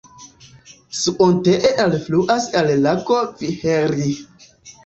Suontee elfluas al lago Viheri.